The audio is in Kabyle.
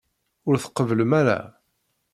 Ur tqebblem ara.